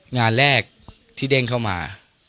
งานแรกที่เด้งเข้ามา